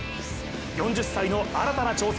４０歳の新たな挑戦。